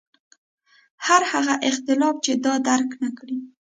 هر هغه اختلاف چې دا درک نکړي.